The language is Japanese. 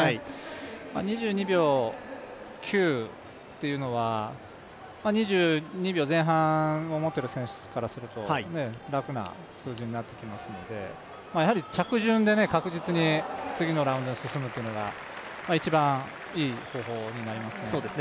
２２秒９というのは、２２秒前半を持っている選手からすると楽な数字になってきますので、着順で確実に、次のラウンドに進むというのが一番いい方法になりますね。